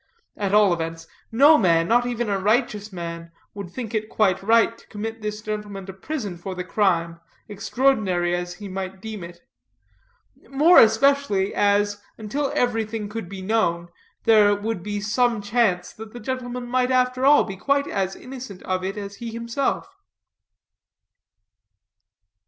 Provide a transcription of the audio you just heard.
At all events, no man, not even a righteous man, would think it quite right to commit this gentleman to prison for the crime, extraordinary as he might deem it; more especially, as, until everything could be known, there would be some chance that the gentleman might after all be quite as innocent of it as he himself.